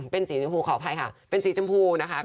เป็นสีชมพูขออภัยค่ะเป็นสีชมพูนะคะ